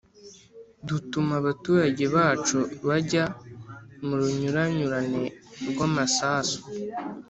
dutuma abaturage bacu bajya mu runyuranyurane rw’ amasasu